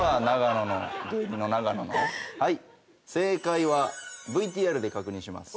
はい正解はＶＴＲで確認します。